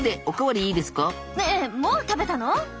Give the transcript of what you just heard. もう食べたの？